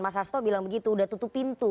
mas hasto bilang begitu udah tutup pintu